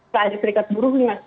kalau ada ks buruh